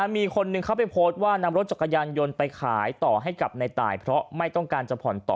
มีคนหนึ่งเข้าไปโพสต์ว่านำรถจักรยานยนต์ไปขายต่อให้กับในตายเพราะไม่ต้องการจะผ่อนต่อ